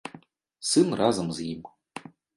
Сын разам з ім.